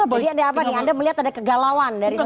jadi ada apa nih anda melihat ada kegalauan dari sisi mana